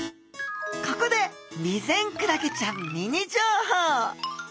ここでビゼンクラゲちゃんミニ情報！